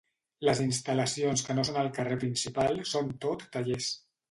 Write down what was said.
Les instal·lacions que no són al carrer principal són tot tallers.